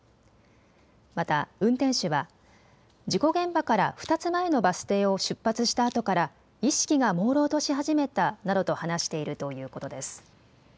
また運転手は事故現場から２つ前のバス停を出発したあとから意識がもうろうとし始めたなどと話しているということです。